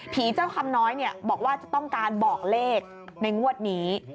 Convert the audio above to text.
เจ้าคำน้อยบอกว่าจะต้องการบอกเลขในงวดนี้